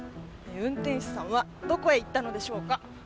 運転手さんはどこへ行ったのでしょうか。